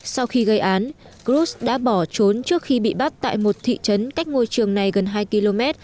sau khi gây án gruz đã bỏ trốn trước khi bị bắt tại một thị trấn cách ngôi trường này gần hai km